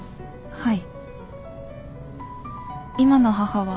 はい。